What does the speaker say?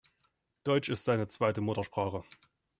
Deutsch ist seine zweite Muttersprache.